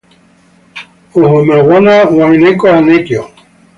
Uhu mwana waw'ekoa nakio.